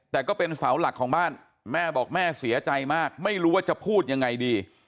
แต่ก็เป็นเสาหลักของบ้านแม่บอกแม่เสียใจมากไม่รู้ว่าจะพูดยังไงดี